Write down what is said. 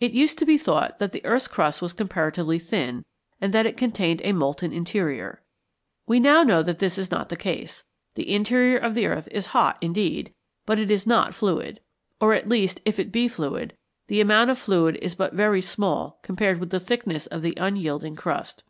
It used to be thought that the earth's crust was comparatively thin, and that it contained a molten interior. We now know that this is not the case. The interior of the earth is hot indeed, but it is not fluid. Or at least, if it be fluid, the amount of fluid is but very small compared with the thickness of the unyielding crust.